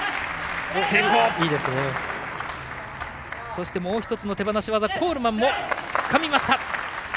そしてもう１つの手放し技コールマンもつかみました。